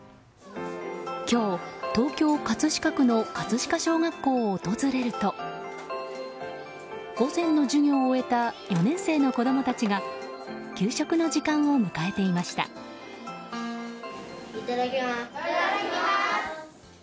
今日、東京・葛飾区の葛飾小学校を訪れると午前の授業を終えた４年生の子供たちがいただきます。